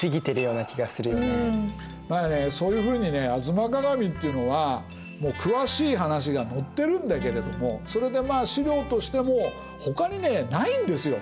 そういうふうにね「吾妻鏡」っていうのは詳しい話が載ってるんだけれどもそれでまあ史料としてもほかにねないんですよ